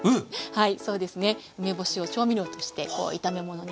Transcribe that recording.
はい。